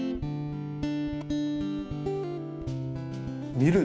「見る」。